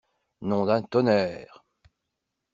Nom d'un tonnerre!